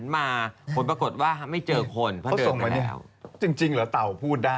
เขาส่งมานี่จริงหรอเต่าพูดได้